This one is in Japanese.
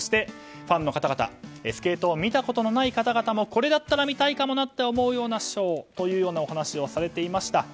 ファンの方々スケートを見たことのない方々もこれだったら見たいかもなと思うようなショーというお話をされていました。